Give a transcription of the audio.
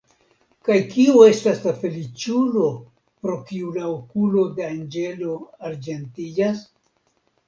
Kaj kiu estas la feliĉulo, pro kiu la okulo de anĝelo arĝentiĝas?